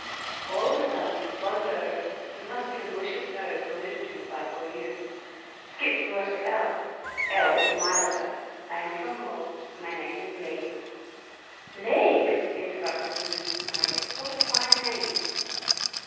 All of a sudden, Blondeau, who must be the malicious nose alluded to by Boileau, skipped to the letter L. L is my letter. I am from Meaux, and my name is Lesgle." "L'Aigle!" interrupted Marius, "what fine name!"